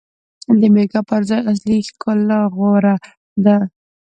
د میک اپ پر ځای اصلي ښکلا غوره ده.